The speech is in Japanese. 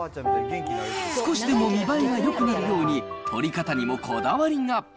少しでも見栄えがよくなるように、撮り方にもこだわりが。